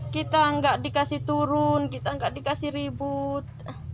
kita nggak dikasih turun kita nggak dikasih ribut